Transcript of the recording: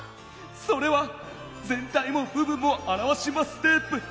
「それは『ぜんたいもぶぶんもあらわしマステープ』！」。